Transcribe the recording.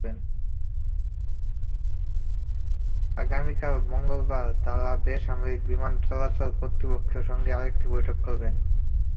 আগামীকাল মঙ্গলবার তাঁরা বেসামরিক বিমান চলাচল কর্তৃপক্ষের সঙ্গে আরেকটি বৈঠক করবেন।